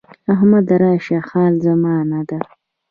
احمد راشه حال زمانه ده.